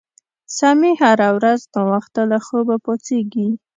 سمیع هره ورځ ناوخته له خوبه پاڅیږي